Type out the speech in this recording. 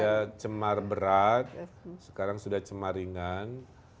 ya cemar berat sekarang sudah cemaringan